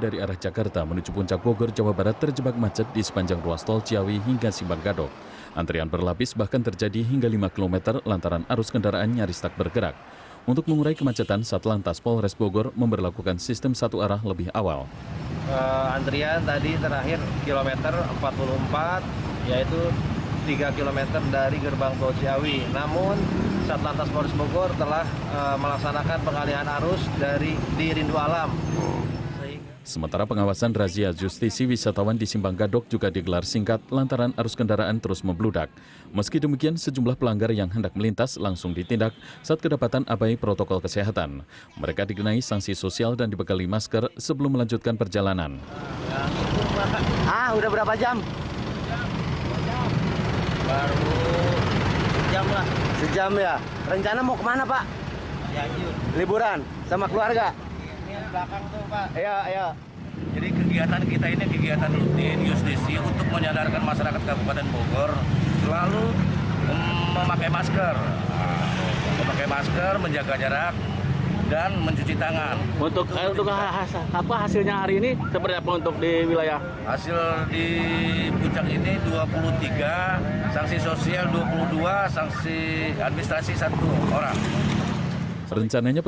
rencananya petugas kebungan sapra pp